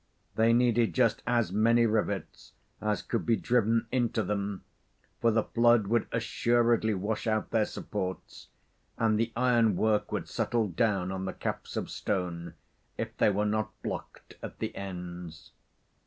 They needed just as many rivets as could be driven into them, for the flood would assuredly wash out their supports, and the ironwork would settle down on the caps of stone if they were not blocked at the ends.